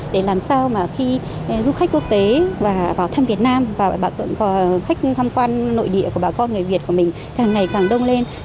để làm sao mà khi du khách quốc tế và vào thăm việt nam và khách tham quan nội địa của bà con người việt của mình càng ngày càng đông lên